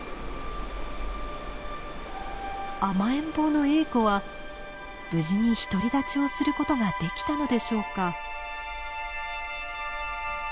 甘えん坊のエーコは無事に独り立ちをすることができたのでしょうか？